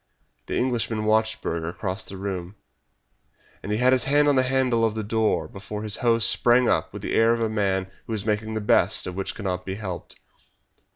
The Englishman watched Burger cross the room, and he had his hand on the handle of the door before his host sprang up with the air of a man who is making the best of that which cannot be helped.